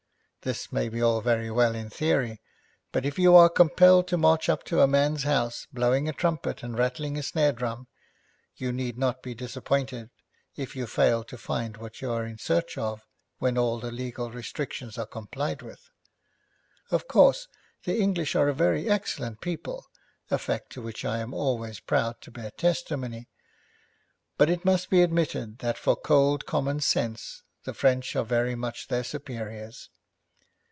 This may be all very well in theory, but if you are compelled to march up to a man's house, blowing a trumpet, and rattling a snare drum, you need not be disappointed if you fail to find what you are in search of when all the legal restrictions are complied with. Of course, the English are a very excellent people, a fact to which I am always proud to bear testimony, but it must be admitted that for cold common sense the French are very much their superiors.